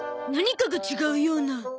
何かが違うような。